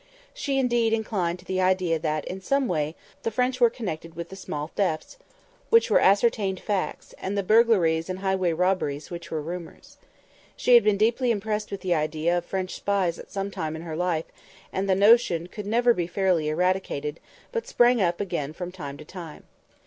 She indeed inclined to the idea that, in some way, the French were connected with the small thefts, which were ascertained facts, and the burglaries and highway robberies, which were rumours. She had been deeply impressed with the idea of French spies at some time in her life; and the notion could never be fairly eradicated, but sprang up again from time to time.